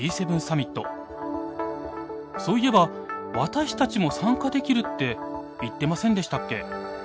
そういえば私たちも参加できるって言ってませんでしたっけ？